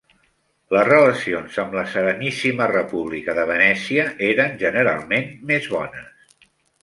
Les relacions amb la Sereníssima República de Venècia eren generalment més bones.